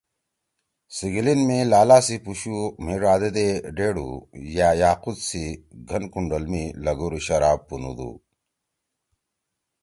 سیِگلیِن می لالہ سی پُوشُو مھی ڙادے دے ڈیڑ ہُو یأ یاقوت سی گھن کُنڈول می لھگُور شراب پُونُودُو